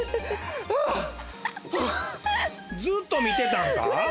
ずっと見てたんか？